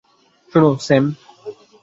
শোনো, স্যাম!